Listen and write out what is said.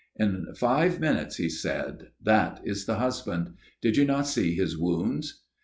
' In five minutes,' he said. * That is the j husband. Did you not see his wounds